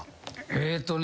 えっとね